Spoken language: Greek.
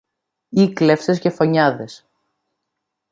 ή κλέφτες και φονιάδες.